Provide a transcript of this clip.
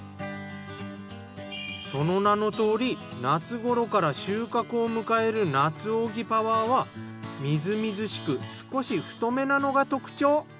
その名のとおり夏頃から収穫を迎える夏扇パワーは瑞々しく少し太めなのが特徴。